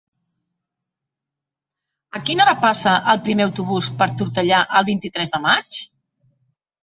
A quina hora passa el primer autobús per Tortellà el vint-i-tres de maig?